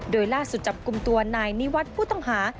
โดยล่าสุดจับกลุ่มตัวนายนิวัฒน์ผู้ต้องหา